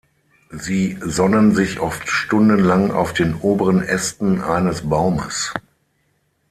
Sie sonnen sich oft stundenlang auf den oberen Ästen eines Baumes.